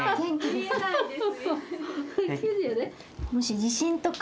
見えないです。